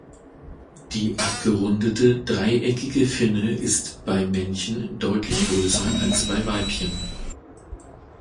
Die abgerundete, dreieckige Finne ist bei Männchen deutlich größer als bei Weibchen.